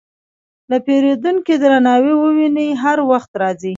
که پیرودونکی درناوی وویني، هر وخت راځي.